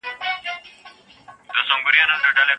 ایا د ماښام له لمانځه وروسته به زوی کور ته راشي؟